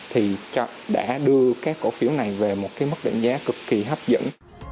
thì đã đưa các cổ phiếu này về một cái mức định giá cực kỳ hấp dẫn